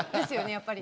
やっぱり。